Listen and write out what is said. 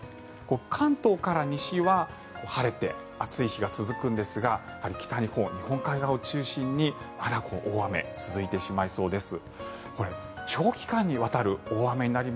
関東から西は晴れて暑い日が続くんですが北日本、日本海側を中心にまだ大雨続いてしまいそうです。